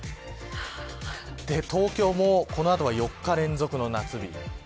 東京もこの後は４日連続の夏日。